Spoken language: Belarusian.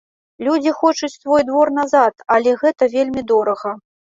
Людзі хочуць свой двор назад, але гэта вельмі дорага.